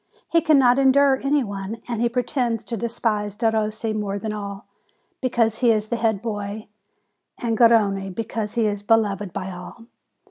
He cannot endure any one, and he pretends to despise Derossi more than all, because he is the head boy ; and Garrone, because he is beloved by 124 FEBRUARY all.